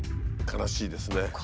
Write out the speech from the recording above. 悲しいです。